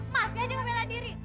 masih aja gak pilih diri